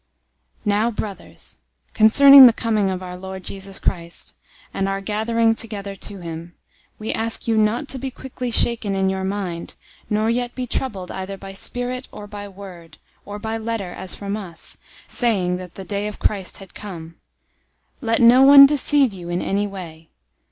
002:001 Now, brothers, concerning the coming of our Lord Jesus Christ, and our gathering together to him, we ask you 002:002 not to be quickly shaken in your mind, nor yet be troubled, either by spirit, or by word, or by letter as from us, saying that the day of Christ had come. 002:003 Let no one deceive you in any way.